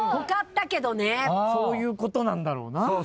そういうことなんだろうな。